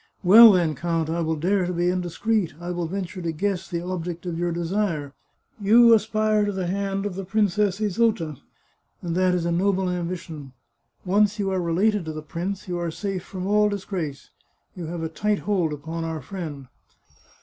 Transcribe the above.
" Well, then, count, I will dare to be indiscreet ; I will venture to guess the object of your desire. You aspire to the hand of Princess Isota, and that is a noble ambition. Once you are related to the prince, you are safe from all dis grace; you have a tight hold upon our friend.